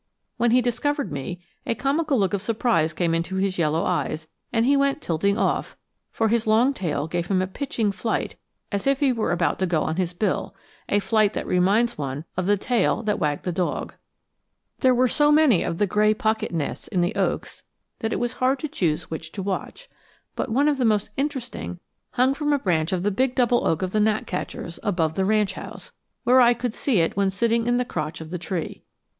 When he discovered me a comical look of surprise came into his yellow eyes and he went tilting off, for his long tail gave him a pitching flight as if he were about to go on his bill, a flight that reminds one of the tail that wagged the dog. [Illustration: Nest of the Bush tit.] There were so many of the gray pocket nests in the oaks that it was hard to choose which to watch, but one of the most interesting hung from a branch of the big double oak of the gnatcatchers, above the ranch house, where I could see it when sitting in the crotch of the tree.